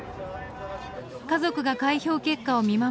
家族が開票結果を見守るなか。